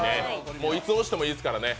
いつ押してもいいですからね。